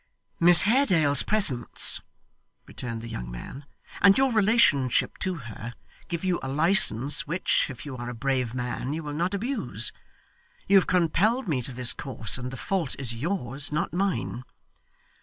'Miss Haredale's presence,' returned the young man, 'and your relationship to her, give you a licence which, if you are a brave man, you will not abuse. You have compelled me to this course, and the fault is yours not mine.